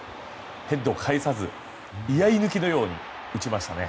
ヘッドを返さず居合抜きのように打ちましたね。